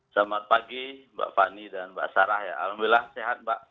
selamat pagi mbak fani dan mbak sarah ya alhamdulillah sehat mbak